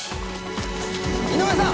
井上さん！